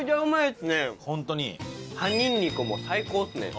葉ニンニクも最高ですね。